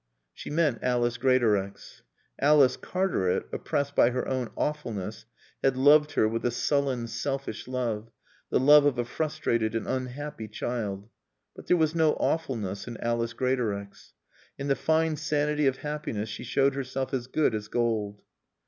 She meant Alice Greatorex. Alice Cartaret, oppressed by her own "awfulness," had loved her with a sullen selfish love, the love of a frustrated and unhappy child. But there was no awfulness in Alice Greatorex. In the fine sanity of happiness she showed herself as good as gold.